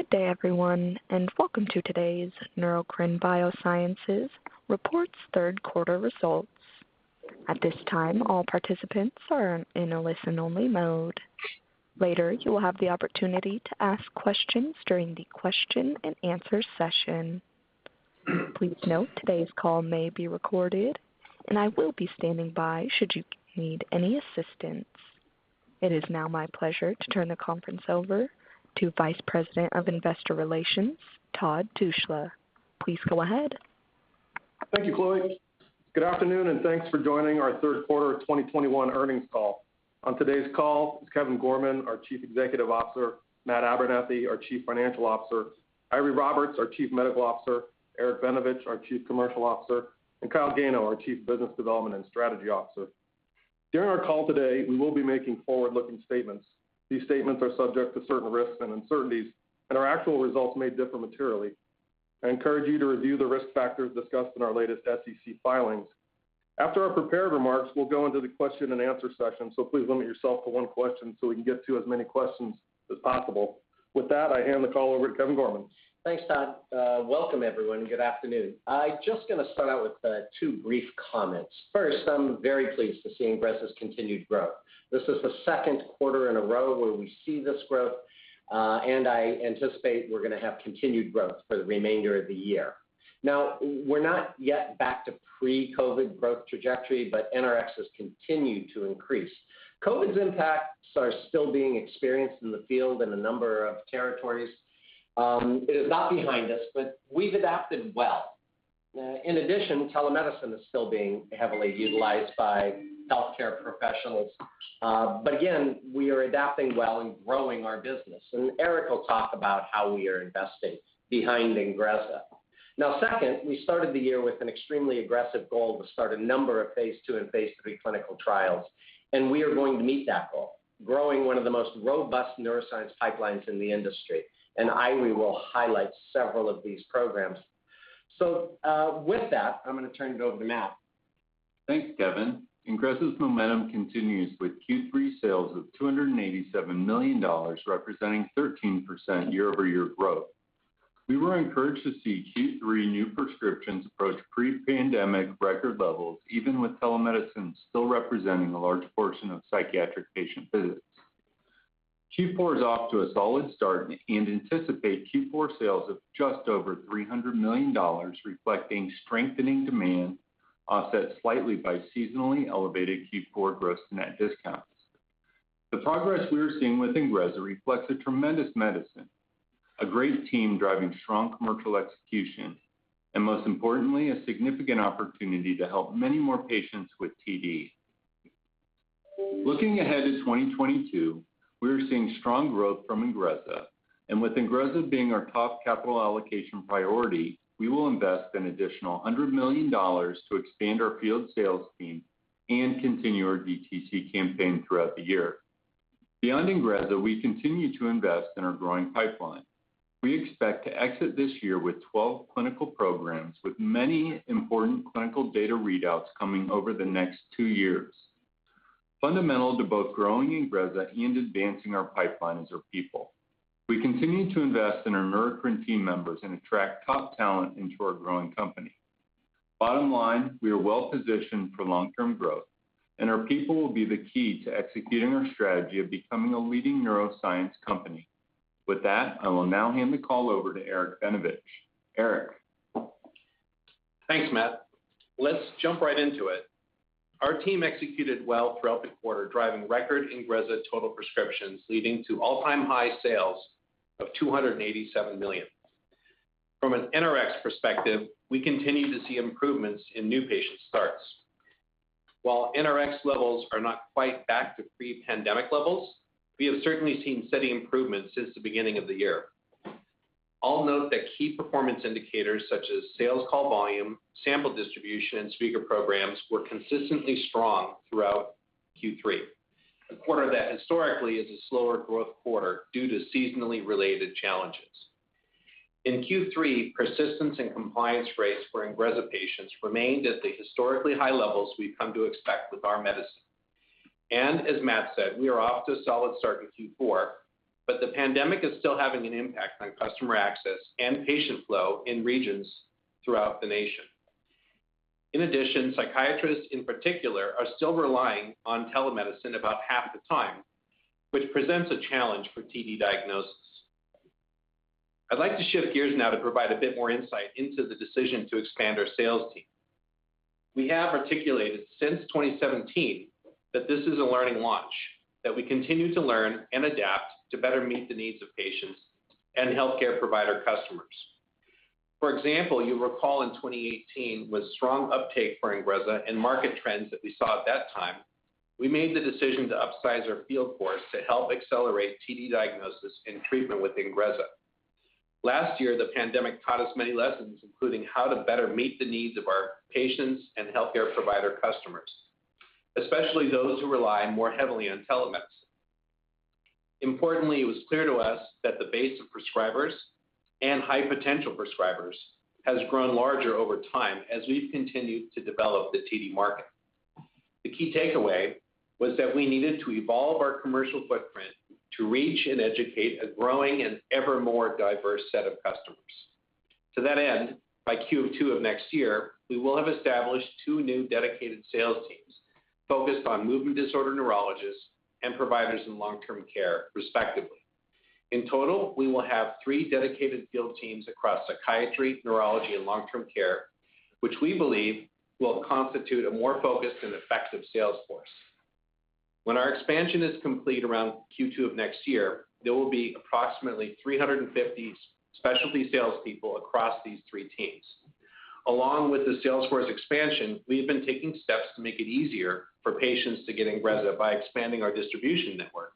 Good day, everyone, and welcome to today's Neurocrine Biosciences Reports Q3 Results. At this time, all participants are in a listen-only mode. Later, you will have the opportunity to ask questions during the Q&A session. Please note today's call may be recorded and I will be standing by should you need any assistance. It is now my pleasure to turn the conference over to Vice President of Investor Relations, Todd Tushla. Please go ahead. Thank you, Chloe. Good afternoon, and thanks for joining our Q3 of 2021 earnings call. On today's call is Kevin Gorman, our Chief Executive Officer, Matt Abernethy, our Chief Financial Officer, Eiry Roberts, our Chief Medical Officer, Eric Benevich, our Chief Commercial Officer, and Kyle Gano, our Chief Business Development and Strategy Officer. During our call today, we will be making forward-looking statements. These statements are subject to certain risks and uncertainties, and our actual results may differ materially. I encourage you to review the risk factors discussed in our latest SEC filings. After our prepared remarks, we'll go into the Q&A session. Please limit yourself to one question so we can get to as many questions as possible. With that, I hand the call over to Kevin Gorman. Thanks, Todd. Welcome everyone. Good afternoon. I just gonna start out with two brief comments. First, I'm very pleased to see INGREZZA's continued growth. This is the Q2 in a row where we see this growth, and I anticipate we're gonna have continued growth for the remainder of the year. Now, we're not yet back to pre-COVID growth trajectory, but NRX has continued to increase. COVID's impacts are still being experienced in the field in a number of territories. It is not behind us, but we've adapted well. In addition, telemedicine is still being heavily utilized by healthcare professionals. But again, we are adapting well and growing our business. Eric will talk about how we are investing behind INGREZZA. Now, second, we started the year with an extremely aggressive goal to start a number of phase II and phase III clinical trials, and we are going to meet that goal, growing one of the most robust neuroscience pipelines in the industry. Eiry will highlight several of these programs. With that, I'm gonna turn it over to Matt. Thanks, Kevin. INGREZZA's momentum continues with Q3 sales of $287 million, representing 13% year-over-year growth. We were encouraged to see Q3 new prescriptions approach pre-pandemic record levels, even with telemedicine still representing a large portion of psychiatric patient visits. Q4 is off to a solid start and we anticipate Q4 sales of just over $300 million, reflecting strengthening demand offset slightly by seasonally elevated Q4 gross net discounts. The progress we are seeing with INGREZZA reflects a tremendous medicine, a great team driving strong commercial execution, and most importantly, a significant opportunity to help many more patients with TD. Looking ahead to 2022, we are seeing strong growth from INGREZZA. With INGREZZA being our top capital allocation priority, we will invest an additional $100 million to expand our field sales team and continue our DTC campaign throughout the year. Beyond INGREZZA, we continue to invest in our growing pipeline. We expect to exit this year with 12 clinical programs, with many important clinical data readouts coming over the next two years. Fundamental to both growing INGREZZA and advancing our pipeline is our people. We continue to invest in our Neurocrine team members and attract top talent into our growing company. Bottom line, we are well positioned for long-term growth and our people will be the key to executing our strategy of becoming a leading neuroscience company. With that, I will now hand the call over to Eric Benevich. Eric. Thanks, Matt. Let's jump right into it. Our team executed well throughout the quarter, driving record INGREZZA total prescriptions leading to all-time high sales of $287 million. From an NRx perspective, we continue to see improvements in new patient starts. While NRX levels are not quite back to pre-pandemic levels, we have certainly seen steady improvements since the beginning of the year. I'll note that key performance indicators such as sales call volume, sample distribution, and speaker programs were consistently strong throughout Q3, a quarter that historically is a slower growth quarter due to seasonally related challenges. In Q3, persistence and compliance rates for INGREZZA patients remained at the historically high levels we've come to expect with our medicine. As Matt said, we are off to a solid start to Q4, but the pandemic is still having an impact on customer access and patient flow in regions throughout the nation. In addition, psychiatrists in particular are still relying on telemedicine about half the time, which presents a challenge for TD diagnosis. I'd like to shift gears now to provide a bit more insight into the decision to expand our sales team. We have articulated since 2017 that this is a learning launch, that we continue to learn and adapt to better meet the needs of patients and healthcare provider customers. For example, you'll recall in 2018, with strong uptake for INGREZZA and market trends that we saw at that time, we made the decision to upsize our field force to help accelerate TD diagnosis and treatment with INGREZZA. Last year, the pandemic taught us many lessons, including how to better meet the needs of our patients and healthcare provider customers, especially those who rely more heavily on telemedicine. Importantly, it was clear to us that the base of prescribers and high potential prescribers has grown larger over time as we've continued to develop the TD market. The key takeaway was that we needed to evolve our commercial footprint to reach and educate a growing and ever more diverse set of customers. To that end, by Q2 of next year, we will have established two new dedicated sales teams focused on movement disorder neurologists and providers in long-term care, respectively. In total, we will have three dedicated field teams across Psychiatry, Neurology, and long-term care, which we believe will constitute a more focused and effective sales force. When our expansion is complete around Q2 of next year, there will be approximately 350 specialty salespeople across these three teams. Along with the sales force expansion, we have been taking steps to make it easier for patients to get INGREZZA by expanding our distribution network.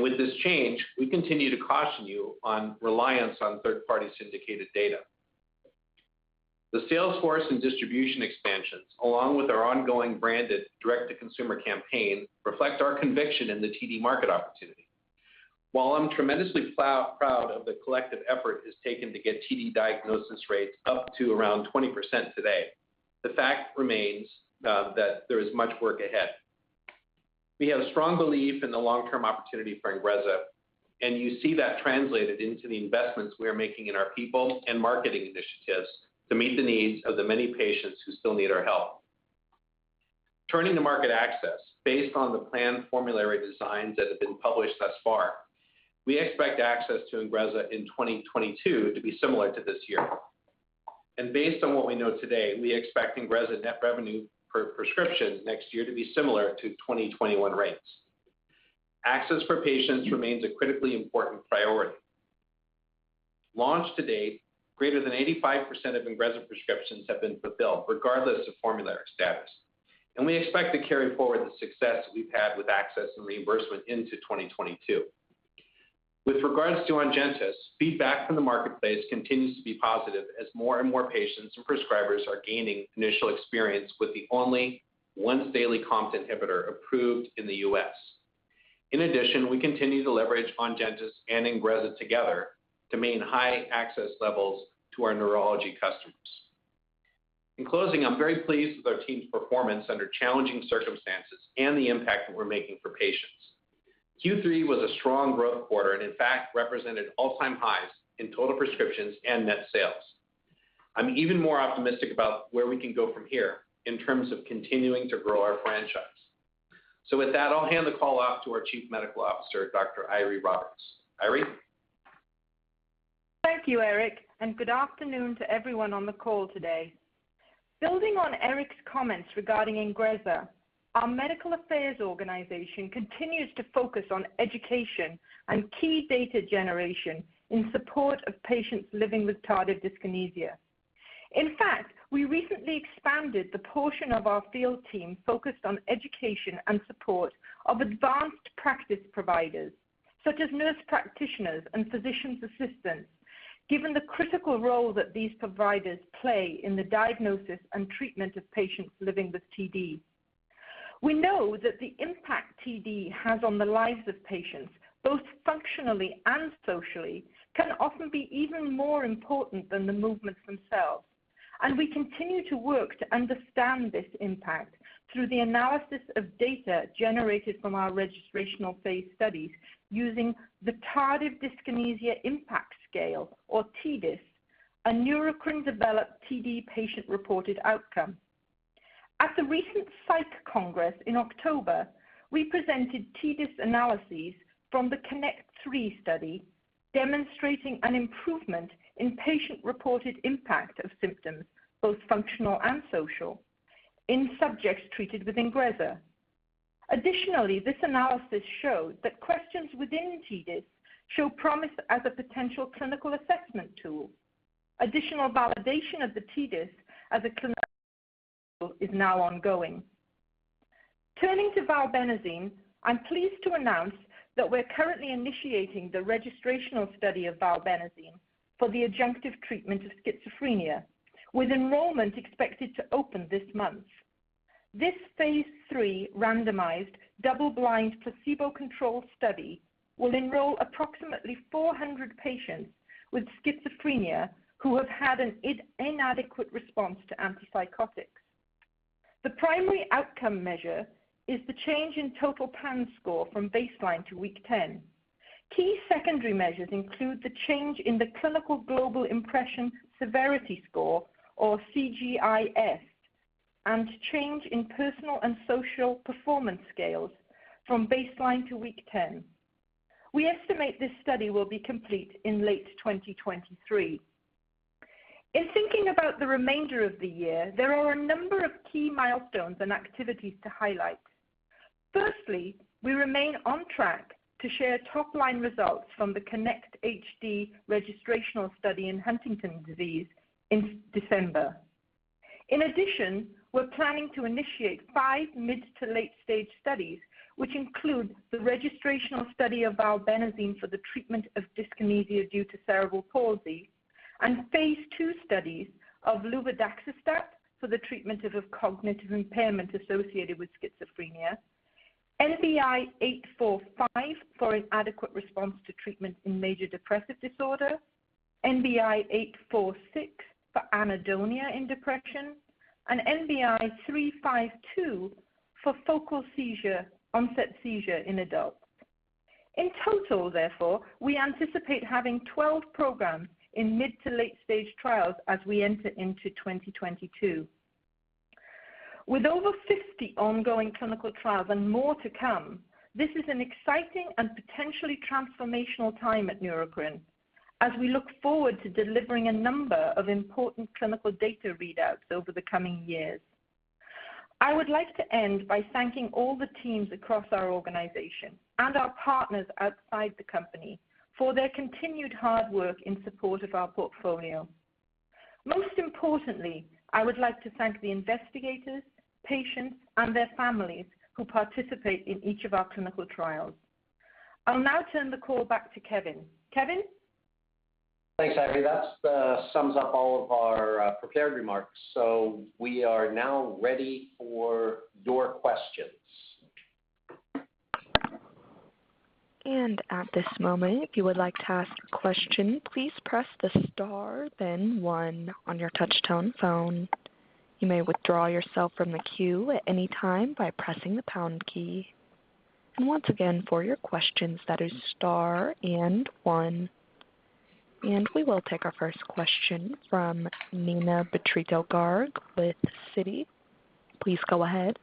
With this change, we continue to caution you on reliance on third-party syndicated data. The sales force and distribution expansions, along with our ongoing branded direct-to-consumer campaign, reflect our conviction in the TD market opportunity. While I'm tremendously proud of the collective effort it has taken to get TD diagnosis rates up to around 20% today, the fact remains that there is much work ahead. We have strong belief in the long-term opportunity for INGREZZA, and you see that translated into the investments we are making in our people and marketing initiatives to meet the needs of the many patients who still need our help. Turning to market access. Based on the planned formulary designs that have been published thus far, we expect access to INGREZZA in 2022 to be similar to this year. Based on what we know today, we expect INGREZZA net revenue per prescription next year to be similar to 2021 rates. Access for patients remains a critically important priority. Launched to date, greater than 85% of INGREZZA prescriptions have been fulfilled regardless of formulary status, and we expect to carry forward the success we've had with access and reimbursement into 2022. With regards to ONGENTYS, feedback from the marketplace continues to be positive as more and more patients and prescribers are gaining initial experience with the only once-daily COMT inhibitor approved in the U.S. In addition, we continue to leverage ONGENTYS and INGREZZA together to maintain high access levels to our neurology customers. In closing, I'm very pleased with our team's performance under challenging circumstances and the impact that we're making for patients. Q3 was a strong growth quarter and in fact represented all-time highs in total prescriptions and net sales. I'm even more optimistic about where we can go from here in terms of continuing to grow our franchise. With that, I'll hand the call off to our Chief Medical Officer, Dr. Eiry Roberts. Eiry? Thank you, Eric, and good afternoon to everyone on the call today. Building on Eric's comments regarding INGREZZA, our medical affairs organization continues to focus on education and key data generation in support of patients living with tardive dyskinesia. In fact, we recently expanded the portion of our field team focused on education and support of advanced practice providers such as nurse practitioners and physicians assistants, given the critical role that these providers play in the diagnosis and treatment of patients living with TD. We know that the impact TD has on the lives of patients, both functionally and socially, can often be even more important than the movements themselves, and we continue to work to understand this impact through the analysis of data generated from our registrational phase studies using the Tardive Dyskinesia Impact Scale, or TDIS, a Neurocrine-developed TD patient-reported outcome. At the recent Psych Congress in October, we presented TDIS analyses from the KINECT 3 study demonstrating an improvement in patient-reported impact of symptoms, both functional and social, in subjects treated with INGREZZA. Additionally, this analysis showed that questions within TDIS show promise as a potential clinical assessment tool. Additional validation of the TDIS as a clinical assessment tool is now ongoing. Turning to Valbenazine, I'm pleased to announce that we're currently initiating the registrational study of Valbenazine for the adjunctive treatment of schizophrenia, with enrollment expected to open this month. This phase III randomized double-blind placebo-controlled study will enroll approximately 400 patients with schizophrenia who have had an inadequate response to antipsychotics. The primary outcome measure is the change in total PANSS score from baseline to week 10. Key secondary measures include the change in the Clinical Global Impression Severity score, or CGI-S, and change in personal and social performance scales from baseline to week 10. We estimate this study will be complete in late 2023. In thinking about the remainder of the year, there are a number of key milestones and activities to highlight. We remain on track to share top-line results from the KINECT-HD registrational study in Huntington's disease in December. In addition, we're planning to initiate five mid- to late-stage studies, which include the registrational study of Valbenazine for the treatment of dyskinesia due to cerebral palsy and phase II studies of luvadaxistat for the treatment of cognitive impairment associated with schizophrenia, NBI-845 for an inadequate response to treatment in major depressive disorder. NBI-1065846 for anhedonia in depression, and NBI-921352 for focal-onset seizures in adults. In total, therefore, we anticipate having 12 programs in mid- to late-stage trials as we enter into 2022. With over 50 ongoing clinical trials and more to come, this is an exciting and potentially transformational time at Neurocrine as we look forward to delivering a number of important clinical data readouts over the coming years. I would like to end by thanking all the teams across our organization and our partners outside the company for their continued hard work in support of our portfolio. Most importantly, I would like to thank the investigators, patients, and their families who participate in each of our clinical trials. I'll now turn the call back to Kevin. Kevin? Thanks, Eiry. That's sums up all of our prepared remarks. We are now ready for your questions. At this moment, if you would like to ask a question, please press the star then one on your touchtone phone. You may withdraw yourself from the queue at any time by pressing the pound key. Once again, for your questions, that is star and one. We will take our first question from Neena Bitritto-Garg with Citi. Please go ahead.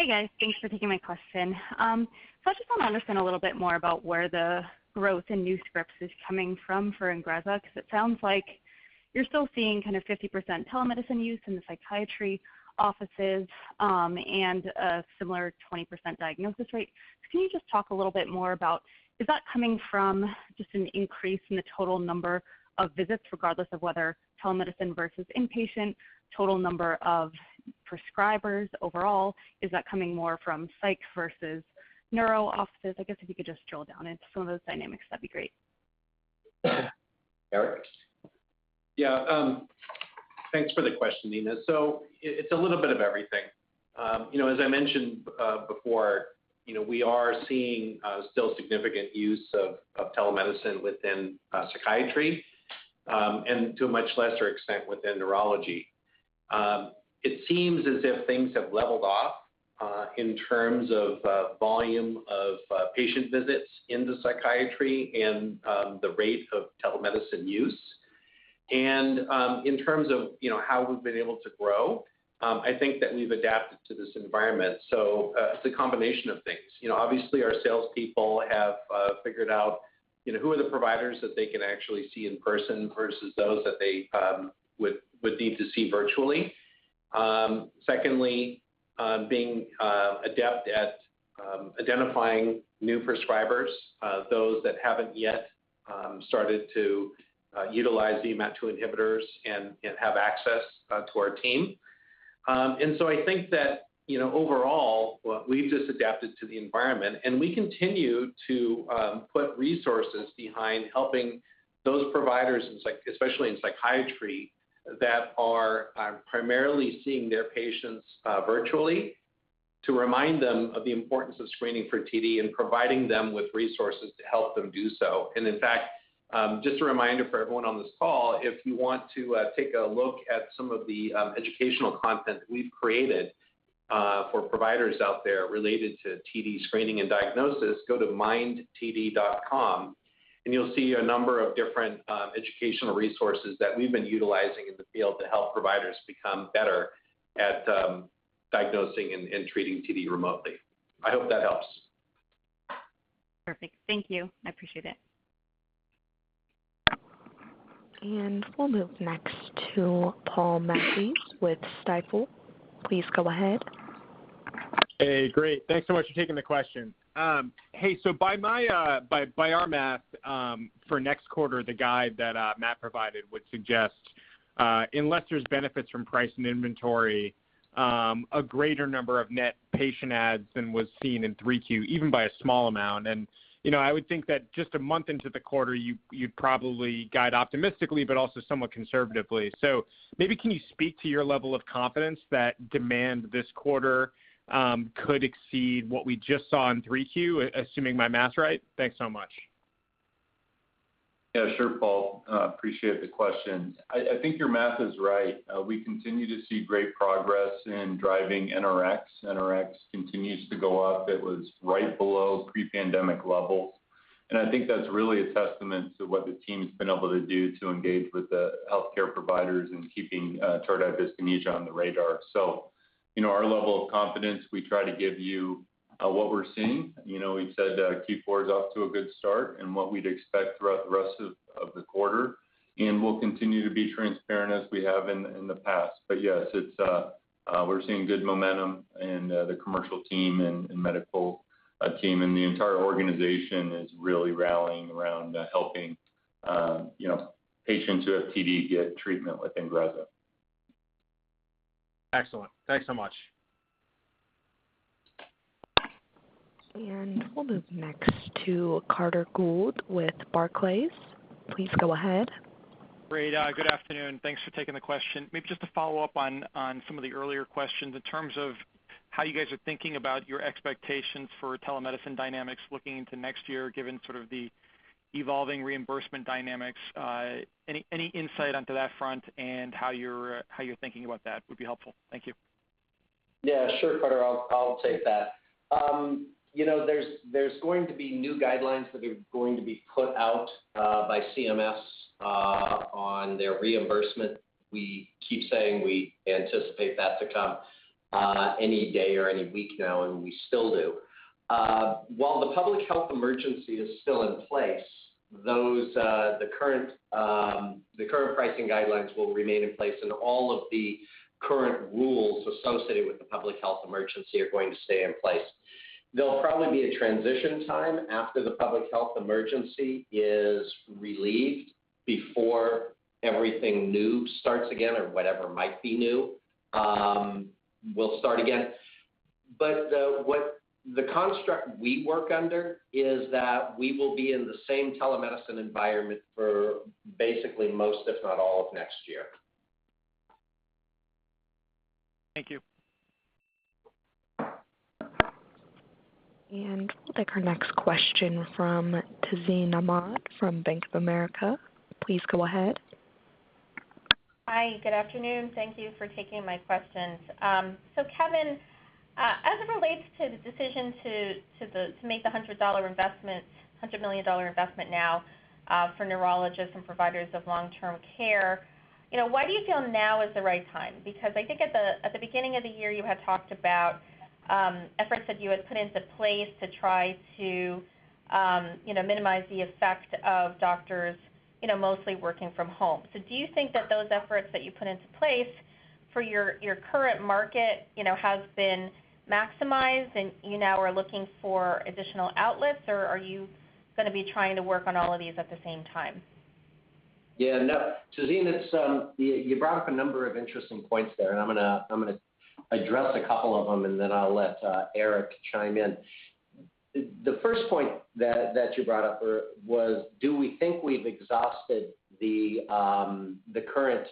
Hey, guys. Thanks for taking my question. I just want to understand a little bit more about where the growth in new scripts is coming from for INGREZZA, because it sounds like you're still seeing kind of 50% telemedicine use in the psychiatry offices, and a similar 20% diagnosis rate. Can you just talk a little bit more about is that coming from just an increase in the total number of visits, regardless of whether telemedicine versus inpatient, total number of prescribers overall? Is that coming more from psych versus neuro offices? I guess if you could just drill down into some of those dynamics, that'd be great. Eric? Yeah, thanks for the question, Neena. It's a little bit of everything. You know, as I mentioned before, you know, we are seeing still significant use of telemedicine within psychiatry and to a much lesser extent within neurology. It seems as if things have leveled off in terms of volume of patient visits into psychiatry and the rate of telemedicine use. In terms of you know, how we've been able to grow, I think that we've adapted to this environment. It's a combination of things. You know, obviously our salespeople have figured out you know, who are the providers that they can actually see in person versus those that they would need to see virtually. Secondly, being adept at identifying new prescribers, those that haven't yet started to utilize the VMAT2 inhibitors and have access to our team. I think that, you know, overall, well, we've just adapted to the environment, and we continue to put resources behind helping those providers, especially in psychiatry, that are primarily seeing their patients virtually, to remind them of the importance of screening for TD and providing them with resources to help them do so. In fact, just a reminder for everyone on this call, if you want to take a look at some of the educational content we've created for providers out there related to TD screening and diagnosis, go to mind-td.com, and you'll see a number of different educational resources that we've been utilizing in the field to help providers become better at diagnosing and treating TD remotely. I hope that helps. Perfect. Thank you. I appreciate it. We'll move next to Paul Matteis with Stifel. Please go ahead. Hey. Great. Thanks so much for taking the question. Hey, so by our math, for next quarter, the guide that Matt provided would suggest, unless there's benefits from price and inventory, a greater number of net patient adds than was seen in 3Q, even by a small amount. You know, I would think that just a month into the quarter, you'd probably guide optimistically, but also somewhat conservatively. Maybe can you speak to your level of confidence that demand this quarter could exceed what we just saw in 3Q, assuming my math right? Thanks so much. Yeah, sure, Paul. Appreciate the question. I think your math is right. We continue to see great progress in driving NRX. NRX continues to go up. It was right below pre-pandemic levels. I think that's really a testament to what the team's been able to do to engage with the healthcare providers in keeping tardive dyskinesia on the radar. You know, our level of confidence. We try to give you what we're seeing. You know, we've said Q4 is off to a good start and what we'd expect throughout the rest of the quarter. We'll continue to be transparent as we have in the past. Yes, we're seeing good momentum in the commercial team and medical team. The entire organization is really rallying around, helping, you know, patients who have TD get treatment with INGREZZA. Excellent. Thanks so much. We'll move next to Carter Gould with Barclays. Please go ahead. Great. Good afternoon. Thanks for taking the question. Maybe just to follow up on some of the earlier questions in terms of how you guys are thinking about your expectations for telemedicine dynamics looking into next year, given sort of the evolving reimbursement dynamics. Any insight onto that front and how you're thinking about that would be helpful. Thank you. Yeah, sure, Carter, I'll take that. You know, there's going to be new guidelines that are going to be put out by CMS on their reimbursement. We keep saying we anticipate that to come any day or any week now, and we still do. While the public health emergency is still in place, the current pricing guidelines will remain in place, and all of the current rules associated with the public health emergency are going to stay in place. There'll probably be a transition time after the public health emergency is relieved before everything new starts again or whatever might be new will start again. The construct we work under is that we will be in the same telemedicine environment for basically most, if not all, of next year. Thank you. We'll take our next question from Tazeen Ahmad from Bank of America. Please go ahead. Hi, good afternoon. Thank you for taking my questions. So Kevin, as it relates to the decision to make the $100 million investment now for neurologists and providers of long-term care, you know, why do you feel now is the right time? Because I think at the beginning of the year, you had talked about efforts that you had put into place to try to, you know, minimize the effect of doctors, you know, mostly working from home. So do you think that those efforts that you put into place for your current market, you know, has been maximized and you now are looking for additional outlets, or are you gonna be trying to work on all of these at the same time? Yeah, no. Tazeen, it's you brought up a number of interesting points there, and I'm gonna address a couple of them, and then I'll let Eric chime in. The first point that you brought up was do we think we've exhausted the current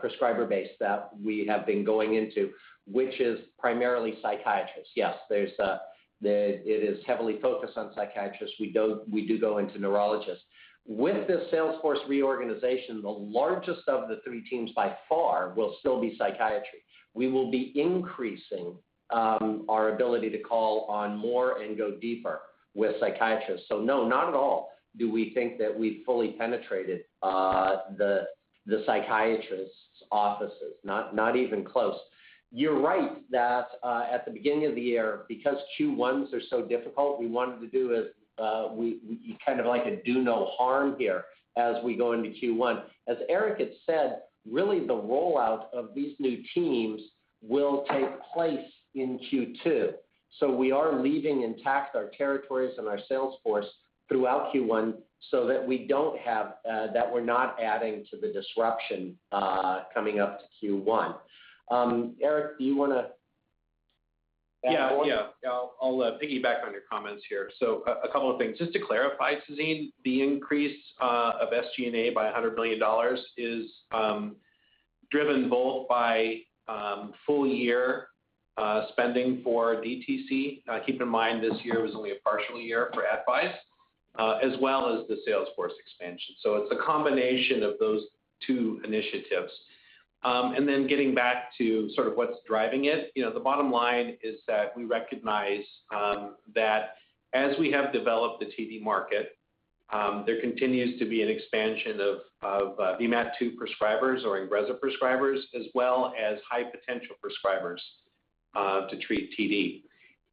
prescriber base that we have been going into, which is primarily psychiatrists? Yes. It is heavily focused on psychiatrists. We do go into neurologists. With this sales force reorganization, the largest of the three teams by far will still be psychiatry. We will be increasing our ability to call on more and go deeper with psychiatrists. So no, not at all do we think that we've fully penetrated the psychiatrist's offices. Not even close. You're right that at the beginning of the year, because Q1s are so difficult, we wanted to kind of like a do no harm here as we go into Q1. As Eric had said, really the rollout of these new teams will take place in Q2. We are leaving intact our territories and our sales force throughout Q1 so that we don't have that we're not adding to the disruption coming up to Q1. Eric, do you wanna add more? I'll piggyback on your comments here. A couple of things. Just to clarify, Tazeen, the increase of SG&A by $100 million is driven both by full year spending for DTC, keep in mind this year was only a partial year for ads, as well as the sales force expansion. It's a combination of those two initiatives. And then getting back to sort of what's driving it. You know, the bottom line is that we recognize that as we have developed the TD market, there continues to be an expansion of VMAT2 prescribers or INGREZZA prescribers, as well as high potential prescribers to treat TD.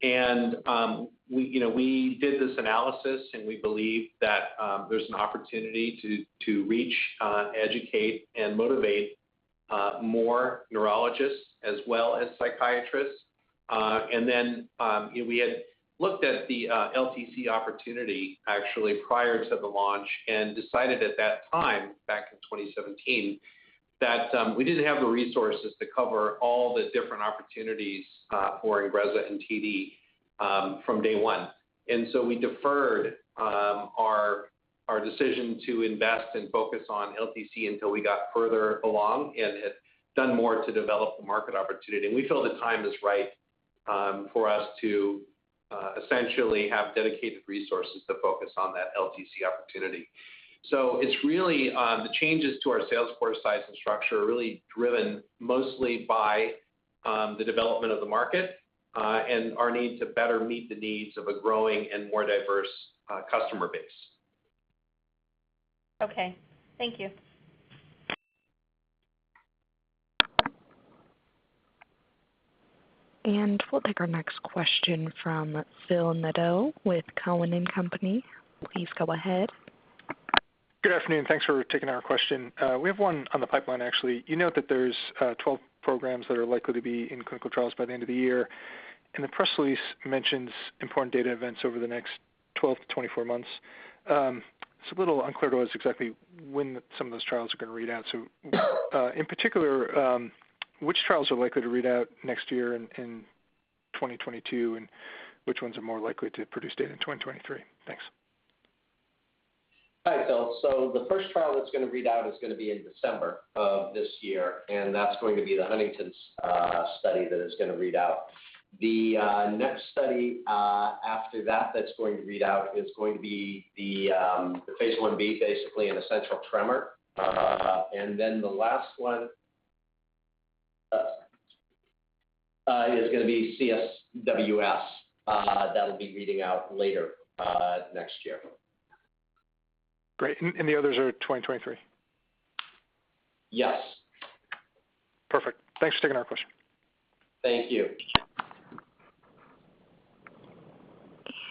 You know, we did this analysis, and we believe that there's an opportunity to reach, educate and motivate more neurologists as well as psychiatrists. And then we had looked at the LTC opportunity actually prior to the launch and decided at that time, back in 2017, that we didn't have the resources to cover all the different opportunities for INGREZZA and TD from day one. We deferred our decision to invest and focus on LTC until we got further along and had done more to develop the market opportunity. We feel the time is right for us to essentially have dedicated resources to focus on that LTC opportunity. It's really the changes to our sales force size and structure are really driven mostly by the development of the market and our need to better meet the needs of a growing and more diverse customer base. Okay. Thank you. We'll take our next question from Phil Nadeau with Cowen and Company. Please go ahead. Good afternoon. Thanks for taking our question. We have one on the pipeline, actually. You note that there's 12 programs that are likely to be in clinical trials by the end of the year. The press release mentions important data events over the next 12 to 24 months. It's a little unclear to us exactly when some of those trials are gonna read out. In particular, which trials are likely to read out next year in 2022, and which ones are more likely to produce data in 2023? Thanks. Hi, Phil. The first trial that's gonna read out is gonna be in December of this year, and that's going to be the Huntington's study that is gonna read out. The next study after that that's going to read out is going to be the phase I-B, basically, in essential tremor. The last one is gonna be CSWS, that'll be reading out later next year. Great. The others are 2023? Yes. Perfect. Thanks for taking our question. Thank you.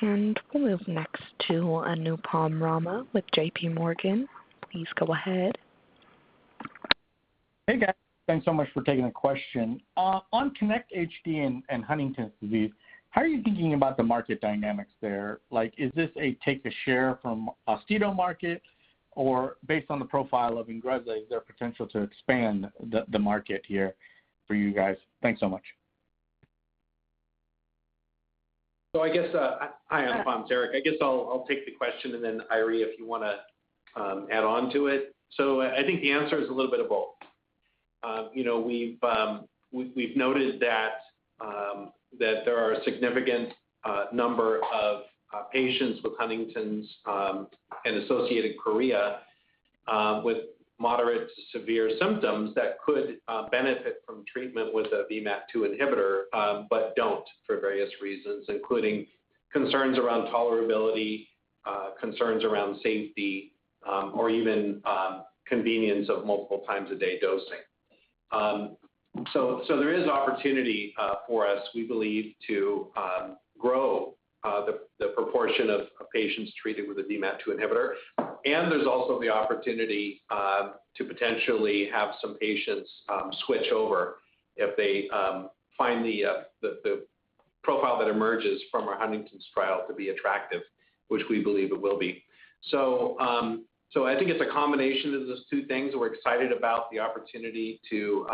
We'll move next to Anupam Rama with JPMorgan. Please go ahead. Hey, guys. Thanks so much for taking the question. On KINECT-HD and Huntington's disease, how are you thinking about the market dynamics there? Like, is this to take a share from Austedo market? Or based on the profile of INGREZZA, is there potential to expand the market here for you guys? Thanks so much. I guess, hi, Anupam. It's Eric. I'll take the question, and then, Eiry, if you wanna add on to it. I think the answer is a little bit of both. You know, we've noticed that there are a significant number of patients with Huntington's and associated chorea with moderate to severe symptoms that could benefit from treatment with a VMAT2 inhibitor, but don't for various reasons, including concerns around tolerability, concerns around safety, or even convenience of multiple-times-a-day dosing. There is opportunity for us, we believe, to grow the proportion of patients treated with a VMAT2 inhibitor, and there's also the opportunity to potentially have some patients switch over if they find the profile that emerges from our Huntington's trial to be attractive, which we believe it will be. I think it's a combination of those two things. We're excited about the opportunity to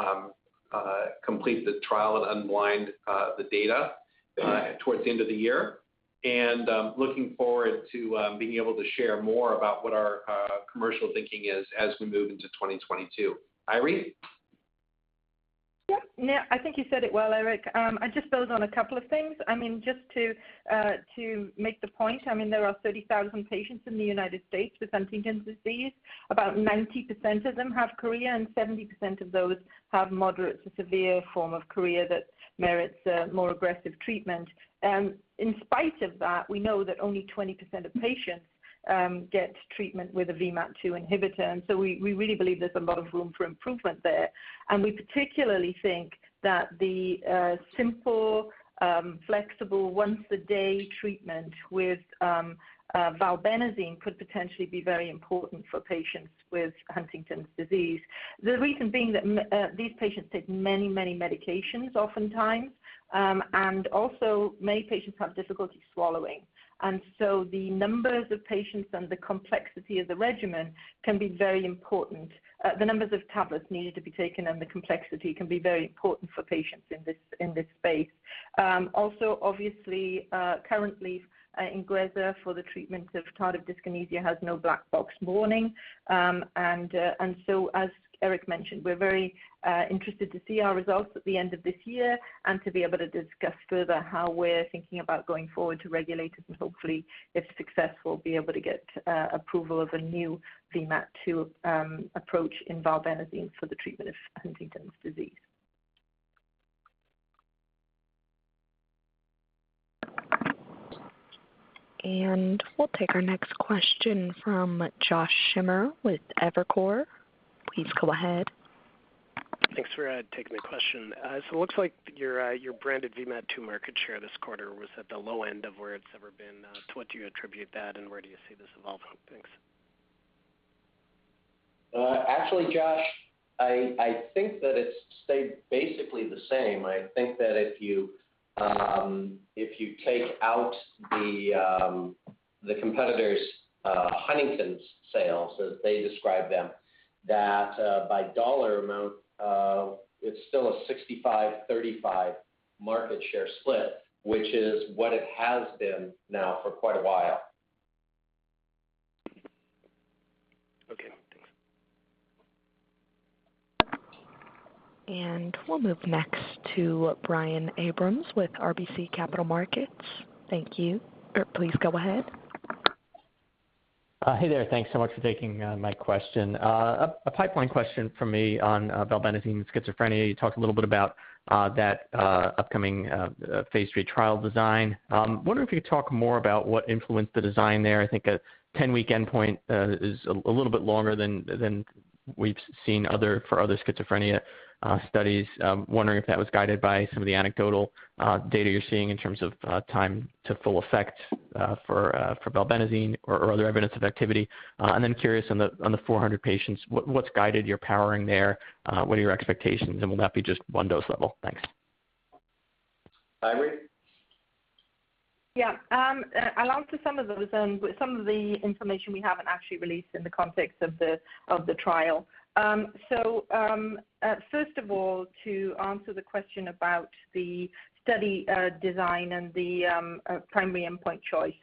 complete the trial and unblind the data towards the end of the year. Looking forward to being able to share more about what our commercial thinking is as we move into 2022. Eiry? Yeah. No, I think you said it well, Eric. I'll just build on a couple of things. I mean, just to make the point, I mean, there are 30,000 patients in the United States with Huntington's disease. About 90% of them have chorea, and 70% of those have moderate to severe form of chorea that merits a more aggressive treatment. In spite of that, we know that only 20% of patients get treatment with a VMAT2 inhibitor. We really believe there's a lot of room for improvement there. We particularly think that the simple, flexible once-a-day treatment with Valbenazine could potentially be very important for patients with Huntington's disease. The reason being that these patients take many, many medications oftentimes, and also many patients have difficulty swallowing. The numbers of patients and the complexity of the regimen can be very important. The numbers of tablets needed to be taken and the complexity can be very important for patients in this space. Also obviously, INGREZZA for the treatment of tardive dyskinesia has no black box warning. As Eric mentioned, we're very interested to see our results at the end of this year and to be able to discuss further how we're thinking about going forward to regulators. Hopefully, if successful, be able to get approval of a new VMAT2 approach in Valbenazine for the treatment of Huntington's disease. We'll take our next question from Josh Schimmer with Evercore. Please go ahead. Thanks for taking the question. It looks like your branded VMAT2 market share this quarter was at the low end of where it's ever been. What do you attribute that, and where do you see this evolving? Thanks. Actually, Josh, I think that it's stayed basically the same. I think that if you take out the competitor's Huntington's sales as they describe them, that by dollar amount, it's still a 65-35 market share split, which is what it has been now for quite a while. Okay. Thanks. We'll move next to Brian Abrahams with RBC Capital Markets. Thank you. Please go ahead. Hey there. Thanks so much for taking my question. A pipeline question from me on Valbenazine schizophrenia. You talked a little bit about that upcoming phase III trial design. Wondering if you could talk more about what influenced the design there. I think a 10-week endpoint is a little bit longer than we've seen for other schizophrenia studies. Wondering if that was guided by some of the anecdotal data you're seeing in terms of time to full effect for Valbenazine or other evidence of activity. Curious on the 400 patients, what's guided your powering there? What are your expectations? Will that be just one dose level? Thanks. Eiry? Yeah. I'll answer some of those. Some of the information we haven't actually released in the context of the trial. First of all, to answer the question about the study design and the primary endpoint choice.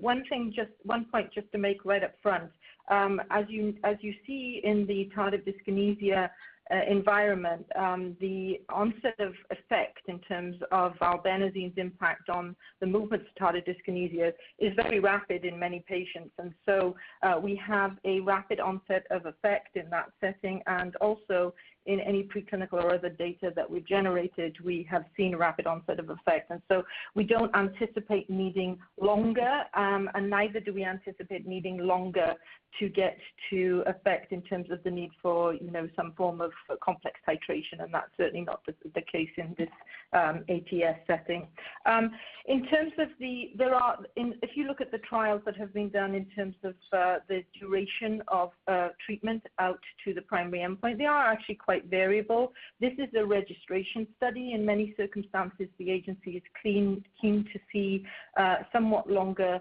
One point just to make right up front, as you see in the tardive dyskinesia environment, the onset of effect in terms of Valbenazine impact on the movements of tardive dyskinesia is very rapid in many patients. We have a rapid onset of effect in that setting, and also in any preclinical or other data that we generated, we have seen rapid onset of effect. We don't anticipate needing longer, and neither do we anticipate needing longer to get to effect in terms of the need for, you know, some form of complex titration, and that's certainly not the case in this ATS setting. In terms of, if you look at the trials that have been done in terms of the duration of treatment out to the primary endpoint, they are actually quite variable. This is a registration study. In many circumstances, the agency is keen to see somewhat longer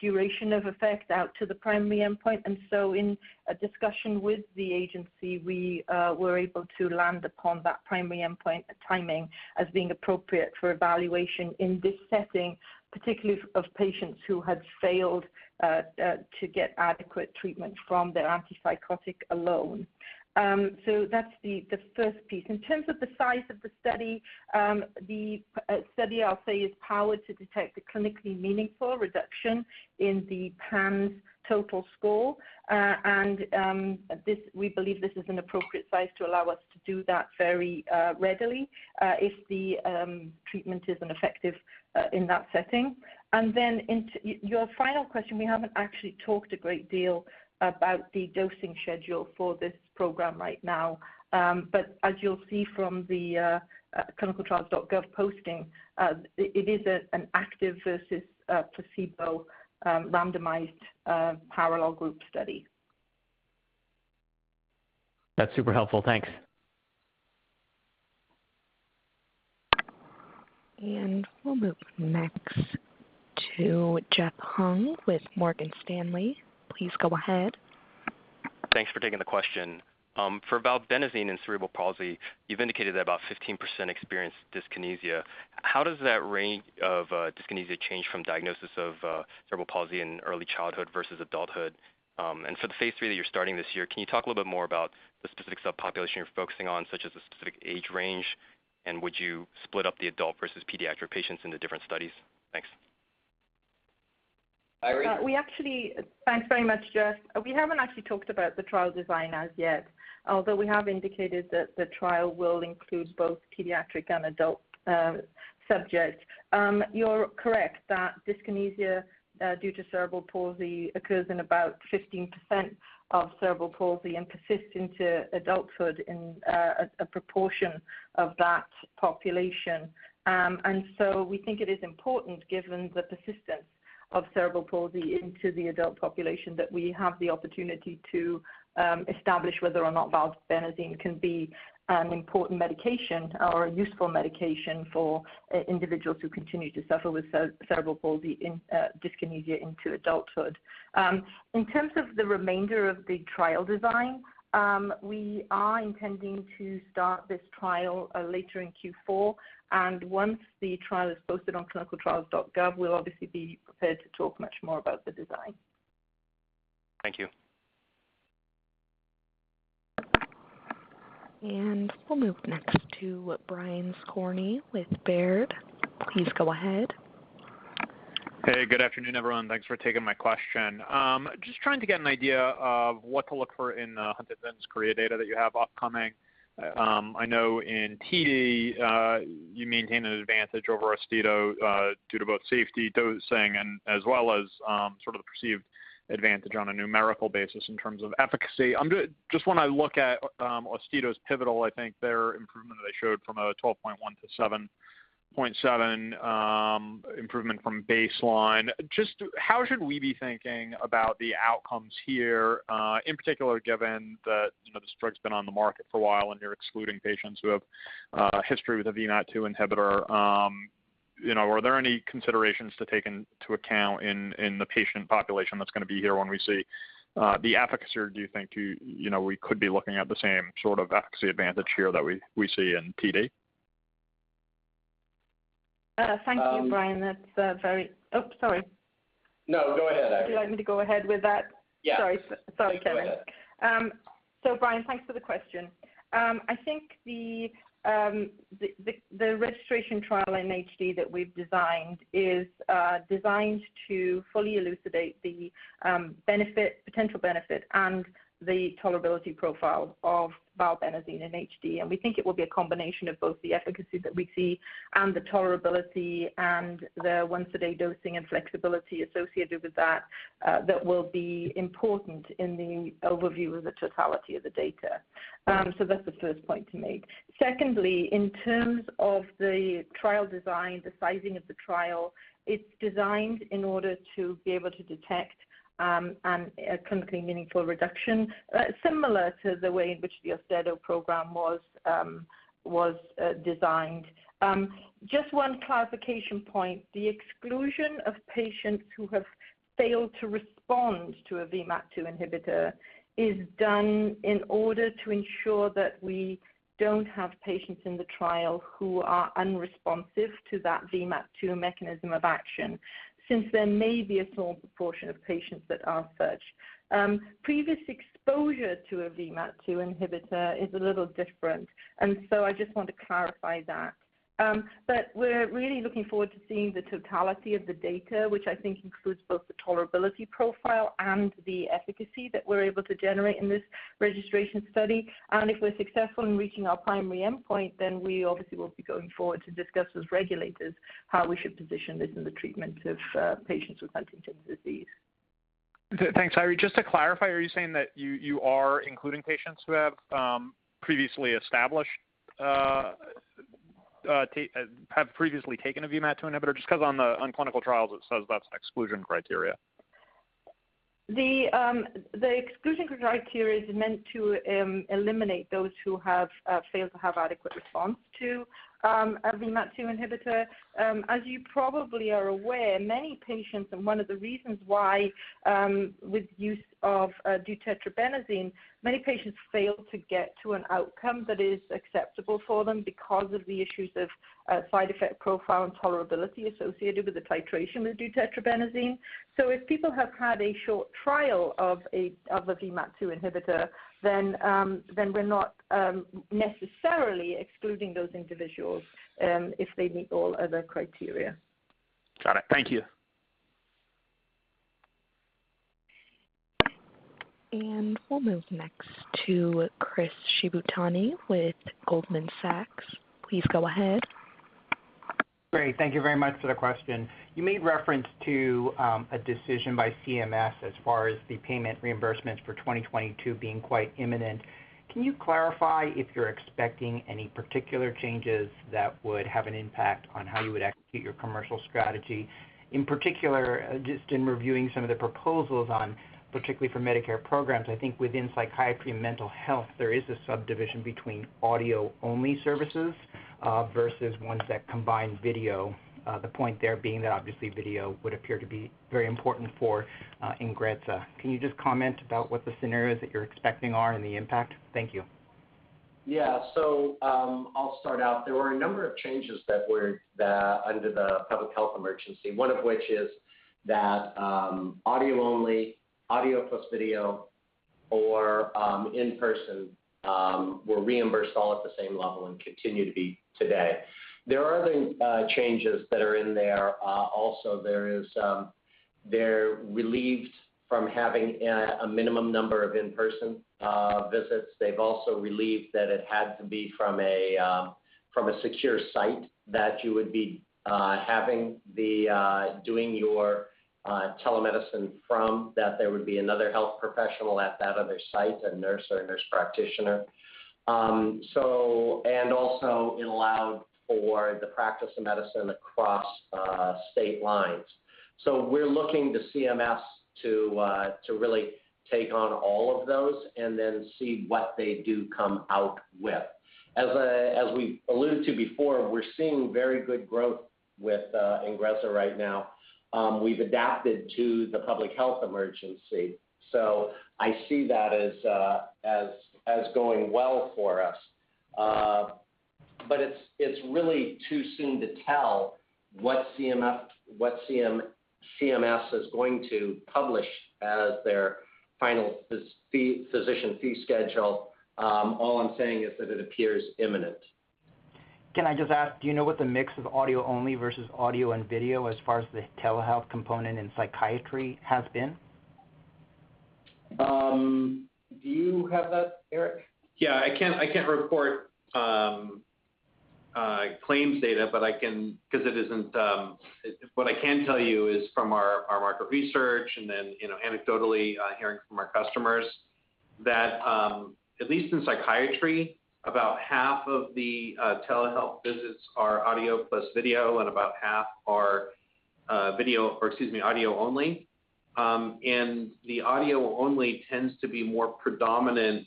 duration of effect out to the primary endpoint. In a discussion with the agency, we were able to land upon that primary endpoint timing as being appropriate for evaluation in this setting, particularly of patients who had failed to get adequate treatment from their antipsychotic alone. That's the first piece. In terms of the size of the study, the study, I'll say, is powered to detect a clinically meaningful reduction in the PANSS total score. We believe this is an appropriate size to allow us to do that very readily, if the treatment isn't effective in that setting. Into your final question, we haven't actually talked a great deal about the dosing schedule for this program right now. As you'll see from the clinicaltrials.gov posting, it is an active versus placebo randomized parallel group study. That's super helpful. Thanks. We'll move next to Jeff Hung with Morgan Stanley. Please go ahead. Thanks for taking the question. For Valbenazine and cerebral palsy, you've indicated that about 15% experience dyskinesia. How does that range of dyskinesia change from diagnosis of cerebral palsy in early childhood versus adulthood? For the phase III that you're starting this year, can you talk a little bit more about the specific subpopulation you're focusing on, such as the specific age range, and would you split up the adult versus pediatric patients into different studies? Thanks. Eiry? We actually, thanks very much, Jeff. We haven't actually talked about the trial design as yet, although we have indicated that the trial will include both pediatric and adult subjects. You're correct that dyskinesia due to cerebral palsy occurs in about 15% of cerebral palsy and persists into adulthood in a proportion of that population. We think it is important, given the persistence of cerebral palsy into the adult population, that we have the opportunity to establish whether or not Valbenazine can be an important medication or a useful medication for individuals who continue to suffer with cerebral palsy in dyskinesia into adulthood. In terms of the remainder of the trial design, we are intending to start this trial later in Q4, and once the trial is posted on clinicaltrials.gov, we'll obviously be prepared to talk much more about the design. Thank you. We'll move next to Brian Skorney with Baird. Please go ahead. Hey, good afternoon, everyone. Thanks for taking my question. Just trying to get an idea of what to look for in the Huntington's chorea data that you have upcoming. I know in TD, you maintain an advantage over Austedo, due to both safety dosing and as well as, sort of the perceived advantage on a numerical basis in terms of efficacy. Just when I look at Austedo's pivotal, I think their improvement they showed from a 12.1% to 7.7%, improvement from baseline. Just how should we be thinking about the outcomes here, in particular, given that, you know, this drug's been on the market for a while and you're excluding patients who have history with a VMAT2 inhibitor. You know, are there any considerations to take into account in the patient population that's gonna be here when we see the efficacy? Or do you think, you know, we could be looking at the same sort of efficacy advantage here that we see in TD? Thank you, Brian. Um- That's. Oh, sorry. No, go ahead, Eiry. Would you like me to go ahead with that? Yeah. Sorry, Kevin. No, go ahead. Brian, thanks for the question. I think the registration trial in HD that we've designed is designed to fully elucidate the benefit, potential benefit and the tolerability profile of Valbenazine in HD. We think it will be a combination of both the efficacy that we see and the tolerability and the once-a-day dosing and flexibility associated with that that will be important in the overview of the totality of the data. That's the first point to make. Secondly, in terms of the trial design, the sizing of the trial, it's designed in order to be able to detect A clinically meaningful reduction, similar to the way in which the Austedo program was designed. Just one clarification point, the exclusion of patients who have failed to respond to a VMAT2 inhibitor is done in order to ensure that we don't have patients in the trial who are unresponsive to that VMAT2 mechanism of action, since there may be a small proportion of patients that are such. Previous exposure to a VMAT2 inhibitor is a little different, and so I just want to clarify that. We're really looking forward to seeing the totality of the data, which I think includes both the tolerability profile and the efficacy that we're able to generate in this registration study. If we're successful in reaching our primary endpoint, then we obviously will be going forward to discuss with regulators how we should position this in the treatment of patients with Huntington's disease. Thanks, Eiry. Just to clarify, are you saying that you are including patients who have previously taken a VMAT2 inhibitor? Just 'cause on the clinical trials, it says that's an exclusion criteria. The exclusion criteria is meant to eliminate those who have failed to have adequate response to a VMAT2 inhibitor. As you probably are aware, many patients and one of the reasons why, with use of deutetrabenazine, many patients fail to get to an outcome that is acceptable for them because of the issues of side effect profile and tolerability associated with the titration with deutetrabenazine. If people have had a short trial of a VMAT2 inhibitor, then we're not necessarily excluding those individuals if they meet all other criteria. Got it. Thank you. We'll move next to Chris Shibutani with Goldman Sachs. Please go ahead. Great. Thank you very much for the question. You made reference to a decision by CMS as far as the payment reimbursements for 2022 being quite imminent. Can you clarify if you're expecting any particular changes that would have an impact on how you would execute your commercial strategy? In particular, just in reviewing some of the proposals on, particularly for Medicare programs, I think within psychiatry and mental health, there is a subdivision between audio-only services versus ones that combine video. The point there being that obviously video would appear to be very important for INGREZZA. Can you just comment about what the scenarios that you're expecting are and the impact? Thank you. I'll start out. There were a number of changes that were under the public health emergency, one of which is that audio only, audio plus video or in-person were reimbursed all at the same level and continue to be today. There are other changes that are in there. Also, they're relieved from having a minimum number of in-person visits. They've also relieved that it had to be from a secure site that you would be doing your telemedicine from. That there would be another health professional at that other site, a nurse or a nurse practitioner. Also it allowed for the practice of medicine across state lines. We're looking to CMS to really take on all of those and then see what they do come out with. As we alluded to before, we're seeing very good growth with INGREZZA right now. We've adapted to the public health emergency. I see that as going well for us. But it's really too soon to tell what CMS is going to publish as their final physician fee schedule. All I'm saying is that it appears imminent. Can I just ask, do you know what the mix of audio only versus audio and video as far as the telehealth component in psychiatry has been? Do you have that, Eric? Yeah. I can't report claims data, but what I can tell you is from our market research and then, you know, anecdotally, hearing from our customers that at least in psychiatry, about half of the telehealth visits are audio plus video, and about half are audio only. The audio only tends to be more predominant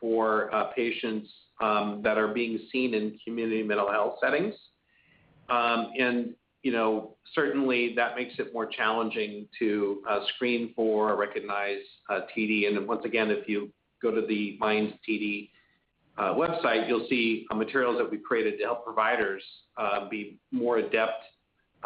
for patients that are being seen in community mental health settings. You know, certainly that makes it more challenging to screen for or recognize TD. Once again, if you go to the MIND-TD website, you'll see materials that we've created to help providers be more adept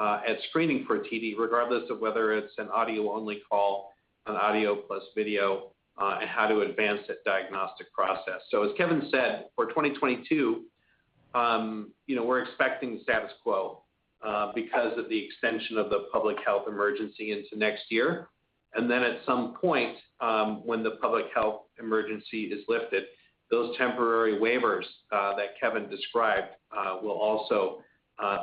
at screening for TD, regardless of whether it's an audio only call, an audio plus video, and how to advance that diagnostic process. As Kevin said, for 2022, you know, we're expecting status quo because of the extension of the public health emergency into next year. At some point, when the public health emergency is lifted, those temporary waivers that Kevin described will also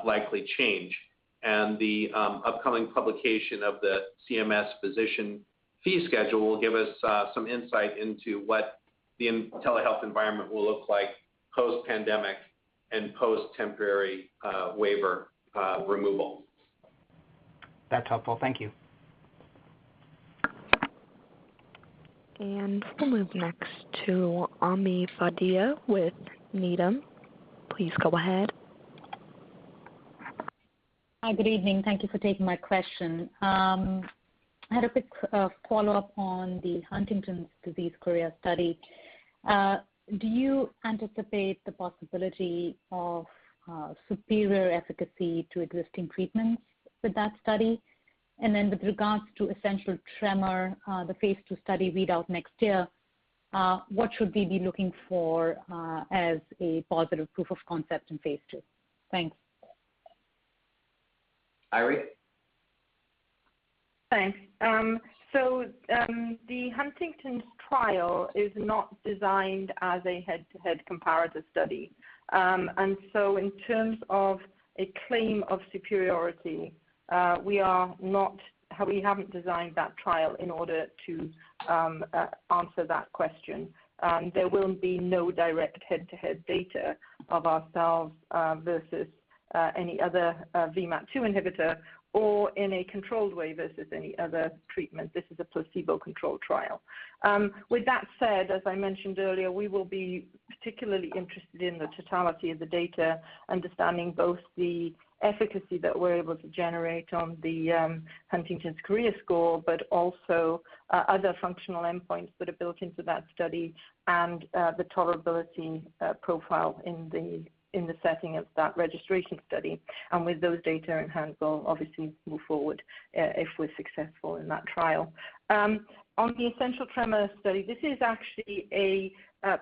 likely change. The upcoming publication of the CMS physician fee schedule will give us some insight into what the telehealth environment will look like post-pandemic. Post temporary waiver removal. That's helpful. Thank you. We'll move next to Ami Fadia with Needham. Please go ahead. Hi. Good evening. Thank you for taking my question. I had a quick follow-up on the Huntington's disease CHORUS study. Do you anticipate the possibility of superior efficacy to existing treatments with that study? With regards to essential tremor, the phase II study readout next year, what should we be looking for as a positive proof of concept in phase II? Thanks. Eiry? Thanks. So, the Huntington's trial is not designed as a head-to-head comparative study. In terms of a claim of superiority, we haven't designed that trial in order to answer that question. There will be no direct head-to-head data of ourselves versus any other VMAT2 inhibitor or in a controlled way versus any other treatment. This is a placebo-controlled trial. With that said, as I mentioned earlier, we will be particularly interested in the totality of the data, understanding both the efficacy that we're able to generate on the Huntington's chorea score, but also other functional endpoints that are built into that study and the tolerability profile in the setting of that registration study. With those data in hand, we'll obviously move forward if we're successful in that trial. On the essential tremor study, this is actually a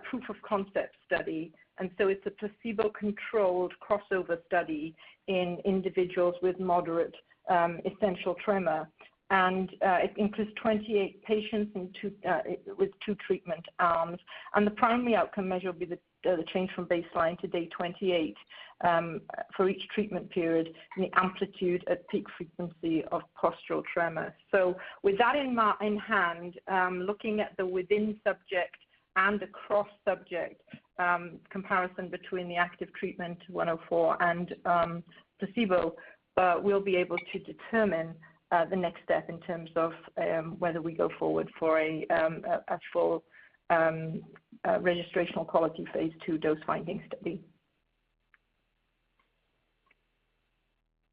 proof of concept study, and it's a placebo-controlled crossover study in individuals with moderate essential tremor. It includes 28 patients in two with two treatment arms. The primary outcome measure will be the change from baseline to day 28 for each treatment period and the amplitude at peak frequency of postural tremor. With that in mind, looking at the within-subject and the cross-subject comparison between the active treatment 104 and placebo, we'll be able to determine the next step in terms of whether we go forward for a full registrational quality phase II dose-finding study.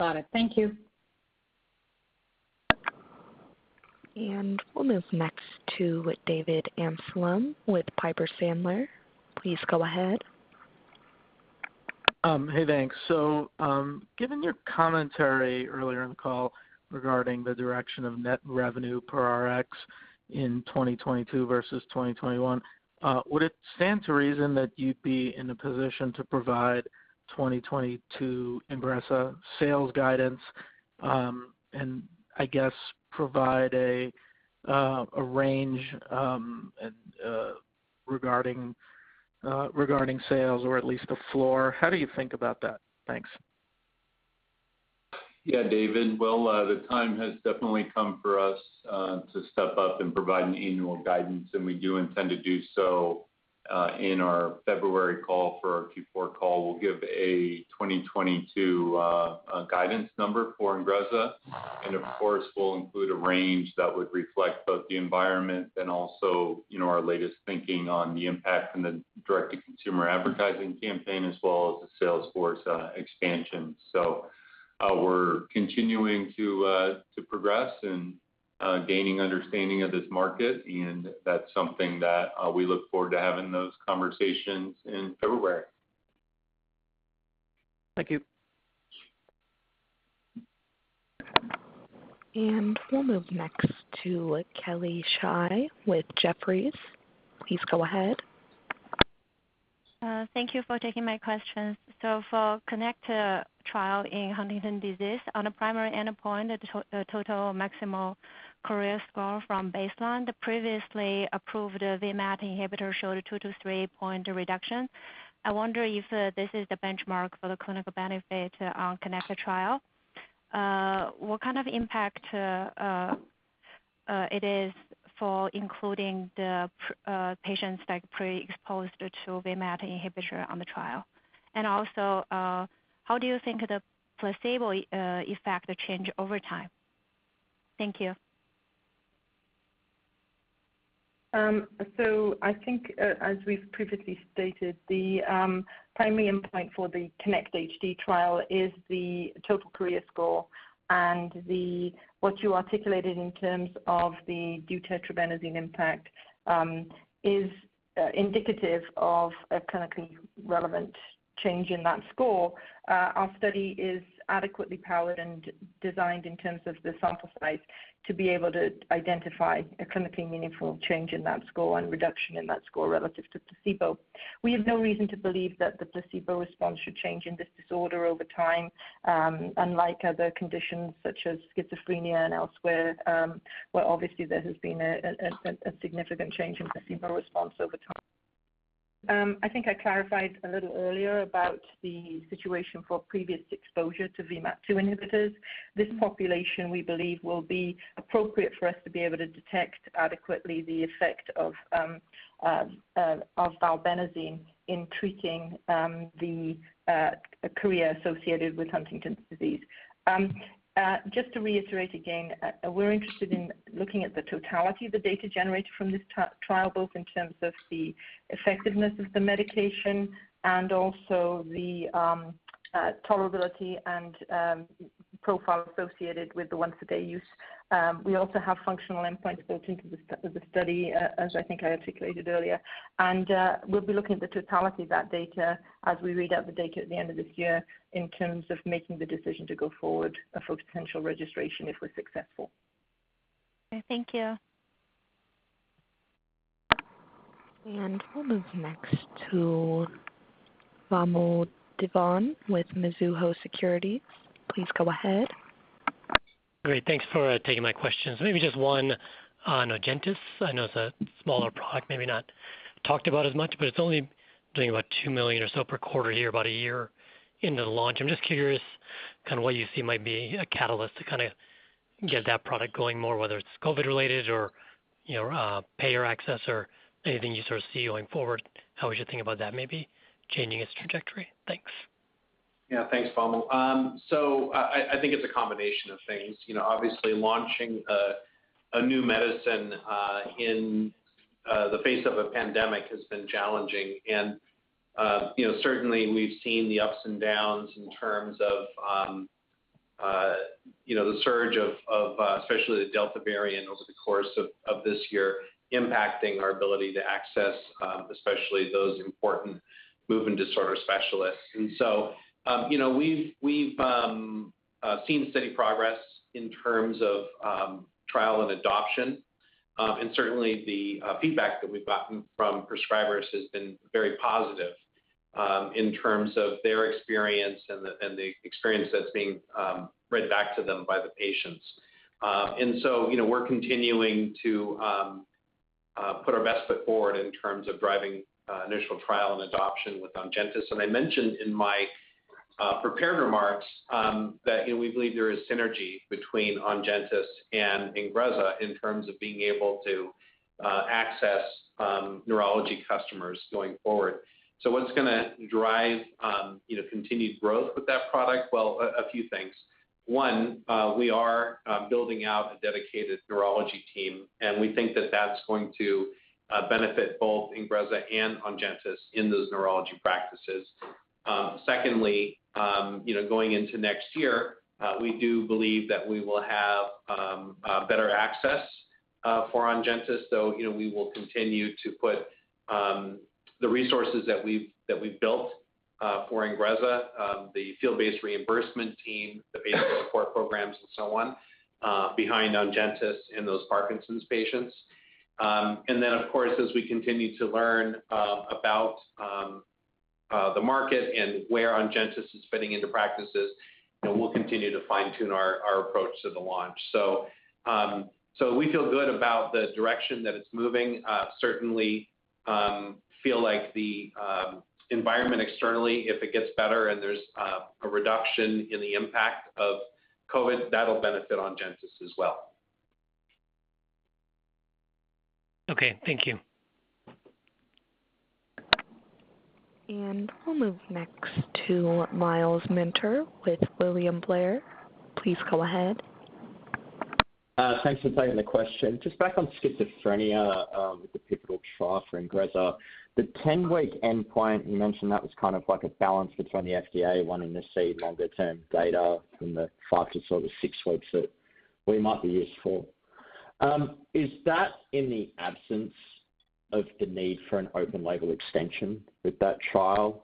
Got it. Thank you. We'll move next to David Amsellem with Piper Sandler. Please go ahead. Hey, thanks. Given your commentary earlier in the call regarding the direction of net revenue per Rx in 2022 versus 2021, would it stand to reason that you'd be in a position to provide 2022 INGREZZA sales guidance, and I guess provide a range regarding sales or at least a floor? How do you think about that? Thanks. Yeah, David. Well, the time has definitely come for us to step up and provide an annual guidance, and we do intend to do so in our February call. For our Q4 call, we'll give a 2022 guidance number for INGREZZA. And of course, we'll include a range that would reflect both the environment and also, you know, our latest thinking on the impact from the direct-to-consumer advertising campaign as well as the sales force expansion. We're continuing to progress and gaining understanding of this market, and that's something that we look forward to having those conversations in February. Thank you. We'll move next to Kelly Shi with Jefferies. Please go ahead. Thank you for taking my questions. For KINECT trial in Huntington's disease on a primary endpoint, total maximal chorea score from baseline, the previously approved VMAT2 inhibitor showed a two-three point reduction. I wonder if this is the benchmark for the clinical benefit on KINECT trial. What kind of impact it is for including the patients that pre-exposed to VMAT2 inhibitor on the trial? And also, how do you think the placebo effect change over time? Thank you. I think, as we've previously stated, the primary endpoint for the KINECT-HD trial is the total chorea score, and what you articulated in terms of the deutetrabenazine impact is indicative of a clinically relevant change in that score. Our study is adequately powered and designed in terms of the sample size to be able to identify a clinically meaningful change in that score and reduction in that score relative to placebo. We have no reason to believe that the placebo response should change in this disorder over time, unlike other conditions such as schizophrenia and elsewhere, where obviously there has been a significant change in placebo response over time. I think I clarified a little earlier about the situation for previous exposure to VMAT2 inhibitors. This population, we believe will be appropriate for us to be able to detect adequately the effect of Valbenazine in treating chorea associated with Huntington's disease. Just to reiterate again, we're interested in looking at the totality of the data generated from this trial, both in terms of the effectiveness of the medication and also the tolerability and profile associated with the once-a-day use. We also have functional endpoints built into the study, as I think I articulated earlier. We'll be looking at the totality of that data as we read out the data at the end of this year in terms of making the decision to go forward for potential registration, if we're successful. Okay, thank you. We'll move next to Vamil Divan with Mizuho Securities. Please go ahead. Great. Thanks for taking my questions. Maybe just one on ONGENTYS. I know it's a smaller product, maybe not talked about as much, but it's only doing about $2 million or so per quarter here, about a year into the launch. I'm just curious kind of what you see might be a catalyst to kinda get that product going more, whether it's COVID-related or, you know, payer access or anything you sort of see going forward, how we should think about that maybe changing its trajectory? Thanks. Yeah. Thanks, Vamil. I think it's a combination of things. You know, obviously launching a new medicine in the face of a pandemic has been challenging. You know, certainly we've seen the ups and downs in terms of you know, the surge of especially the Delta variant over the course of this year impacting our ability to access especially those important movement disorder specialists. You know, we've seen steady progress in terms of trial and adoption. Certainly the feedback that we've gotten from prescribers has been very positive in terms of their experience and the experience that's being read back to them by the patients. You know, we're continuing to put our best foot forward in terms of driving initial trial and adoption with ONGENTYS. I mentioned in my prepared remarks that you know, we believe there is synergy between ONGENTYS and INGREZZA in terms of being able to access neurology customers going forward. What's gonna drive you know, continued growth with that product? Well, a few things. One, we are building out a dedicated neurology team, and we think that that's going to benefit both INGREZZA and ONGENTYS in those neurology practices. Secondly, you know, going into next year, we do believe that we will have better access for ONGENTYS. You know, we will continue to put the resources that we've built for INGREZZA, the field-based reimbursement team, the patient support programs and so on behind ONGENTYS in those Parkinson's patients. Of course, as we continue to learn about the market and where ONGENTYS is fitting into practices, you know, we'll continue to fine-tune our approach to the launch. We feel good about the direction that it's moving. Certainly, we feel like the environment externally, if it gets better and there's a reduction in the impact of COVID, that'll benefit ONGENTYS as well. Okay, thank you. We'll move next to Myles Minter with William Blair. Please go ahead. Thanks for taking the question. Just back on schizophrenia, with the pivotal trial for INGREZZA. The 10-week endpoint, you mentioned that was kind of like a balance between the FDA wanting to see longer-term data from the trial to sort of six weeks that we might be useful. Is that in the absence of the need for an open label extension with that trial?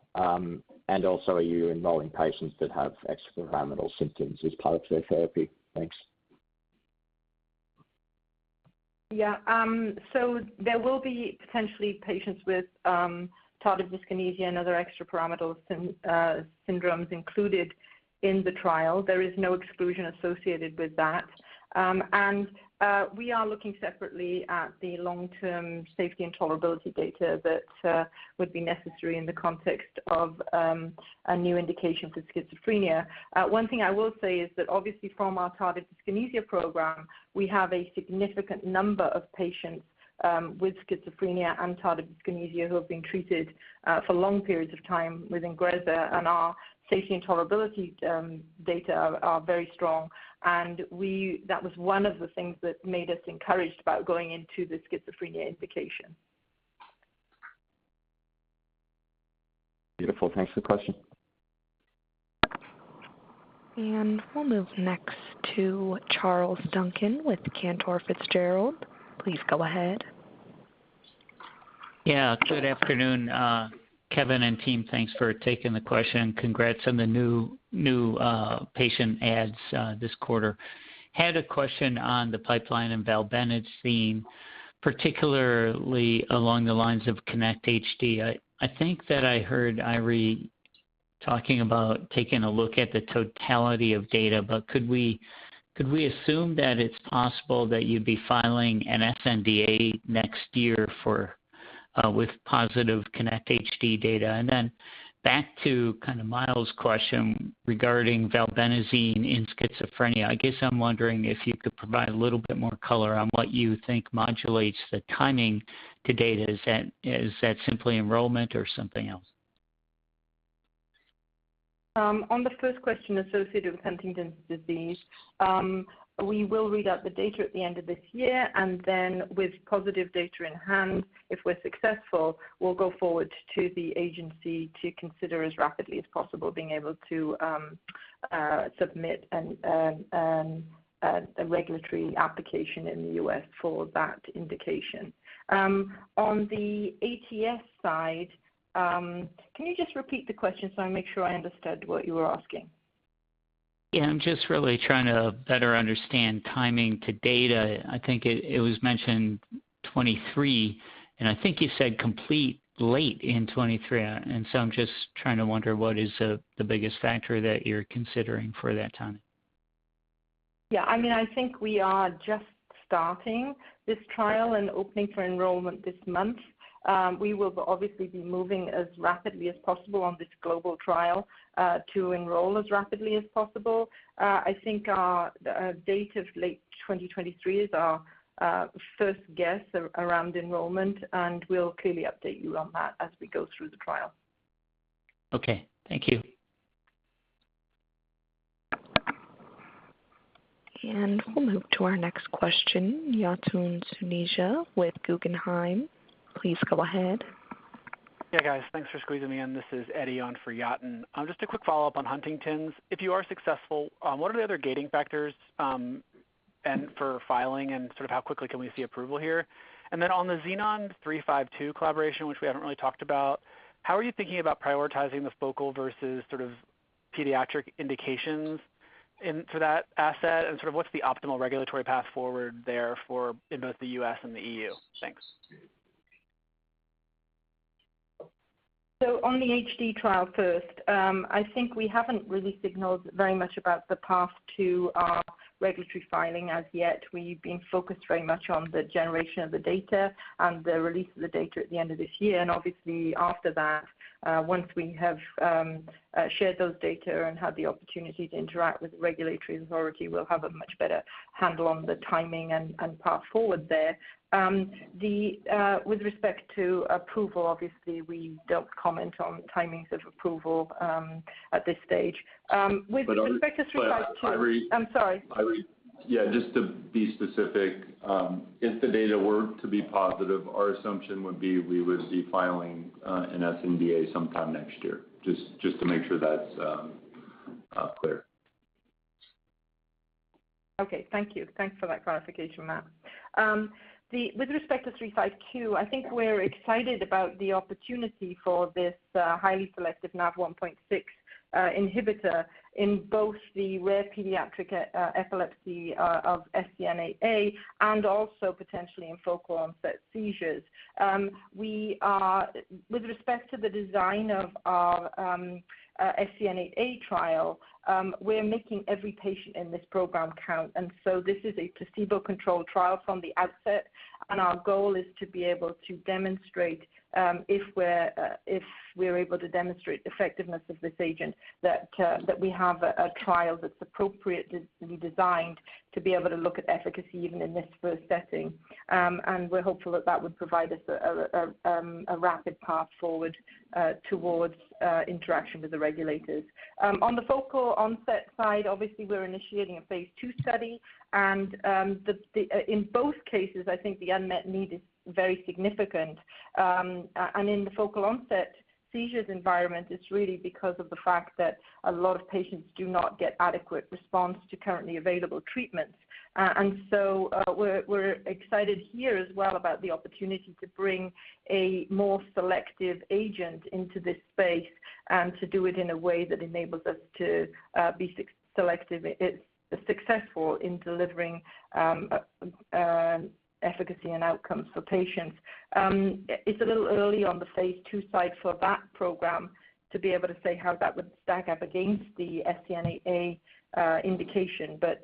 Also, are you enrolling patients that have extrapyramidal symptoms as part of their therapy? Thanks. Yeah. There will be potentially patients with Tardive dyskinesia and other extrapyramidal symptoms included in the trial. There is no exclusion associated with that. We are looking separately at the long-term safety and tolerability data that would be necessary in the context of a new indication for schizophrenia. One thing I will say is that obviously from our tardive dyskinesia program, we have a significant number of patients with schizophrenia and tardive dyskinesia who have been treated for long periods of time with INGREZZA, and our safety and tolerability data are very strong. That was one of the things that made us encouraged about going into the schizophrenia indication. Beautiful. Thanks for the question. We'll move next to Charles Duncan with Cantor Fitzgerald. Please go ahead. Yeah, good afternoon, Kevin and team. Thanks for taking the question. Congrats on the new patient adds this quarter. Had a question on the pipeline and Valbenazine, particularly along the lines of KINECT-HD. I think that I heard Eiry talking about taking a look at the totality of data, but could we assume that it's possible that you'd be filing an sNDA next year for with positive KINECT-HD data? Then back to kind of Myles' question regarding Valbenazine in schizophrenia, I guess I'm wondering if you could provide a little bit more color on what you think modulates the timing to data. Is that simply enrollment or something else? On the first question associated with Huntington's disease, we will read out the data at the end of this year, and then with positive data in hand, if we're successful, we'll go forward to the agency to consider as rapidly as possible being able to submit a regulatory application in the U.S. for that indication. On the ATS side, can you just repeat the question so I make sure I understood what you were asking? Yeah, I'm just really trying to better understand timing to data. I think it was mentioned 2023, and I think you said complete late in 2023. I'm just trying to wonder what is the biggest factor that you're considering for that timing. Yeah, I mean, I think we are just starting this trial and opening for enrollment this month. We will obviously be moving as rapidly as possible on this global trial to enroll as rapidly as possible. I think our date of late 2023 is our first guess around enrollment, and we'll clearly update you on that as we go through the trial. Okay, thank you. We'll move to our next question, Yatin Suneja with Guggenheim. Please go ahead. Yeah, guys. Thanks for squeezing me in. This is Eddie on for Yatin. Just a quick follow-up on Huntington's. If you are successful, what are the other gating factors, and for filing and sort of how quickly can we see approval here? On the NBI-921352 collaboration, which we haven't really talked about, how are you thinking about prioritizing the focal versus sort of pediatric indications for that asset and sort of what's the optimal regulatory path forward there for in both the U.S. and the EU? Thanks. On the HD trial first, I think we haven't really signaled very much about the path to our regulatory filing as yet. We've been focused very much on the generation of the data and the release of the data at the end of this year. Obviously after that, once we have shared those data and had the opportunity to interact with the regulatory authority, we'll have a much better handle on the timing and path forward there. With respect to approval, obviously we don't comment on timings of approval at this stage. With respect to 352- But I would- I'm sorry. Yeah, just to be specific, if the data were to be positive, our assumption would be we would be filing an sNDA sometime next year. Just to make sure that's clear. Okay. Thank you. Thanks for that clarification, Matt. With respect to 352, I think we're excited about the opportunity for this highly selective Nav1.6 inhibitor in both the rare pediatric epilepsy of SCN8A and also potentially in focal onset seizures. With respect to the design of our SCN8A trial, we're making every patient in this program count. This is a placebo-controlled trial from the outset, and our goal is to be able to demonstrate if we're able to demonstrate the effectiveness of this agent that we have a trial that's appropriately designed to be able to look at efficacy even in this first setting. We're hopeful that would provide us a rapid path forward towards interaction with the regulators. On the focal onset side, obviously we're initiating a phase II study. In both cases, I think the unmet need is very significant. In the focal onset seizures environment, it's really because of the fact that a lot of patients do not get adequate response to currently available treatments. We're excited here as well about the opportunity to bring a more selective agent into this space and to do it in a way that enables us to be successful in delivering efficacy and outcomes for patients. It's a little early on the phase II side for that program to be able to say how that would stack up against the SCN8A indication, but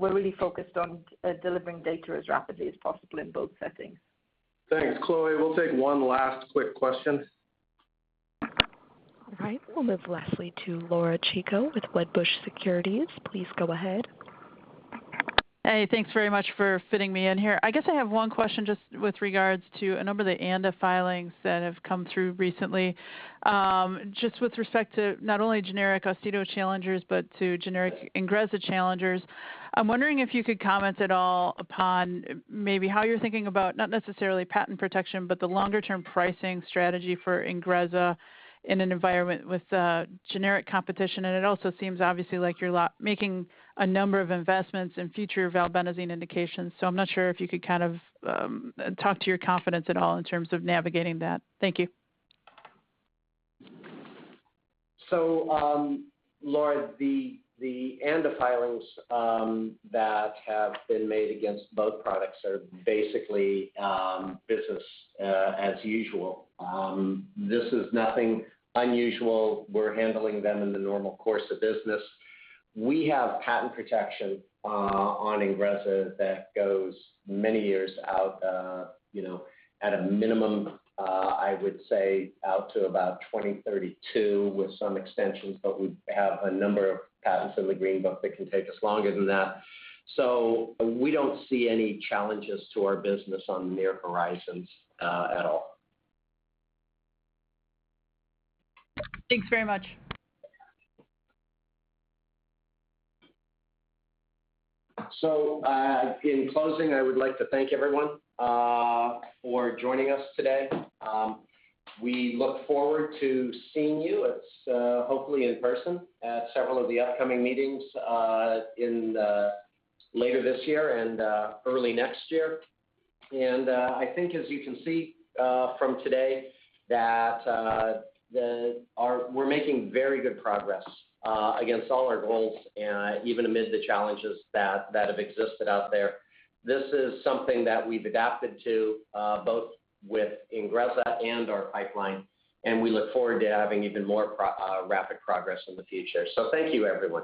we're really focused on delivering data as rapidly as possible in both settings. Thanks. Chloe, we'll take one last quick question. All right. We'll move lastly to Laura Chico with Wedbush Securities. Please go ahead. Hey, thanks very much for fitting me in here. I guess I have one question just with regards to a number of the ANDA filings that have come through recently. Just with respect to not only generic Austedo challengers but to generic INGREZZA challengers, I'm wondering if you could comment at all upon maybe how you're thinking about not necessarily patent protection, but the longer-term pricing strategy for INGREZZA in an environment with generic competition. It also seems obviously like you're making a number of investments in future Valbenazine indications. I'm not sure if you could kind of talk to your confidence at all in terms of navigating that. Thank you. Laura, the ANDA filings that have been made against both products are basically business as usual. This is nothing unusual. We're handling them in the normal course of business. We have patent protection on INGREZZA that goes many years out, you know, at a minimum, I would say out to about 2032 with some extensions, but we have a number of patents in the Orange Book that can take us longer than that. We don't see any challenges to our business on near horizons at all. Thanks very much. In closing, I would like to thank everyone for joining us today. We look forward to seeing you hopefully in person at several of the upcoming meetings later this year and early next year. I think as you can see from today that we're making very good progress against all our goals and even amid the challenges that have existed out there. This is something that we've adapted to both with INGREZZA and our pipeline, and we look forward to having even more rapid progress in the future. Thank you, everyone.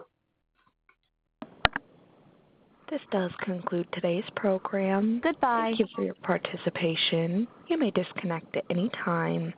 This does conclude today's program. Goodbye. Thank you for your participation. You may disconnect at any time.